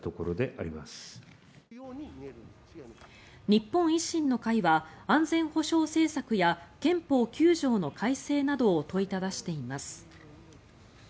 日本維新の会は安全保障政策や憲法９条の改正などを問いただしています。